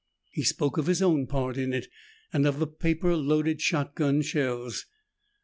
He spoke of his own part in it and of the paper loaded shotgun shells.